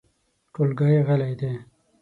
ټولګی غلی دی .